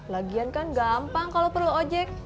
lagian kan gampang kalau perlu ojek